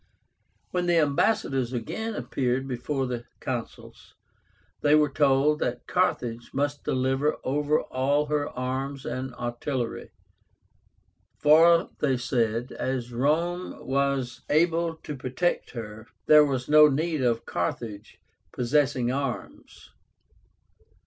When the ambassadors again appeared before the Consuls, they were told that Carthage must deliver over all her arms and artillery; for, they said, as Rome was able to protect her, there was no need of Carthage possessing arms.